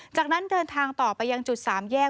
จากนั้นเดินทางต่อไปยังจุด๓แยก